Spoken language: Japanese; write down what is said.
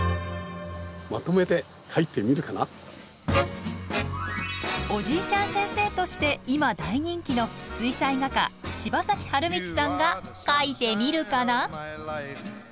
まとめて「おじいちゃん先生」として今大人気の水彩画家柴崎春通さんが描いてみるかな！